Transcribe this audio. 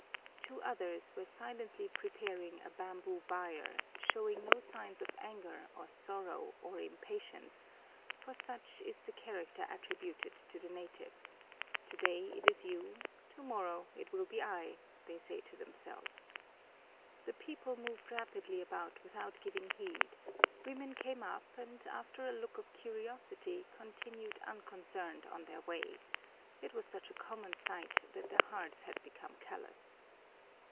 Two others were silently preparing a bamboo bier, showing no signs of anger or sorrow or impatience, for such is the character attributed to the natives: today it is you, tomorrow it will be I, they say to themselves. The people moved rapidly about without giving heed, women came up and after a look of curiosity continued unconcerned on their way it was such a common sight that their hearts had become callous.